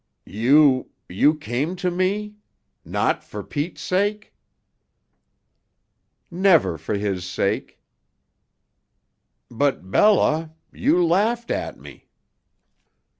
"You you came to me? Not for Pete's sake?" "Never for his sake." "But, Bella you laughed at me."